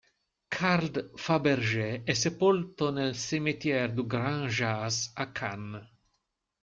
Carl Fabergé è sepolto nel Cimetière du Grand Jas a Cannes.